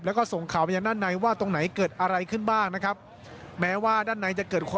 แล้วก็ส่งข่าวมายังด้านในว่าตรงไหนเกิดอะไรขึ้นบ้างนะครับแม้ว่าด้านในจะเกิด